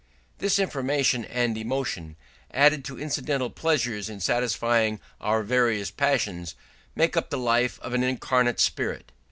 This information and emotion, added to incidental pleasures in satisfying our various passions, make up the life of an incarnate spirit.